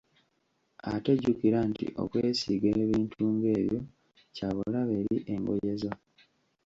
Ate jjukira nti okwesiiga ebintu ng’ebyo kya bulabe eri engoye zo.